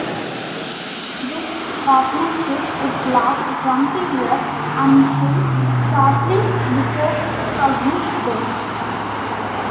This partnership would last twenty years, until shortly before Sturgis's death.